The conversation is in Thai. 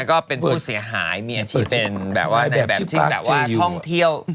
ก็เป็นผู้เสียหายมีอาชิเจนแบบว่าในแบบที่แบบว่าท่องเที่ยว